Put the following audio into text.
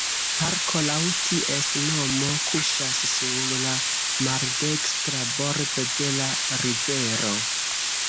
Parko laŭ ties nomo kuŝas sur la maldekstra bordo de la rivero.